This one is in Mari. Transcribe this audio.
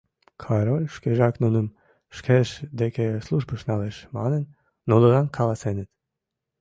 Король шкежак нуным шкеж деке службыш налеш манын, нунылан каласеныт.